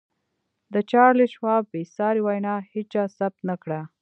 د چارليس شواب بې ساري وينا هېچا ثبت نه کړه.